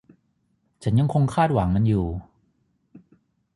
ฉันยังคงคาดหวังมันอยู่